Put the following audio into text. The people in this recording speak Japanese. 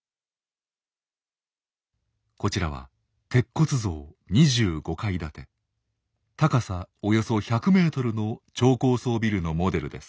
こちらは鉄骨造２５階建て高さおよそ１００ｍの超高層ビルのモデルです。